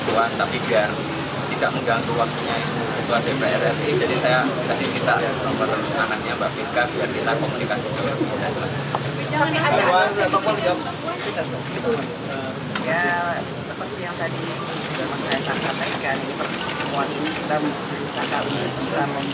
juga bagaimana kemudian situasi kebatinan dari perjuangan selama ini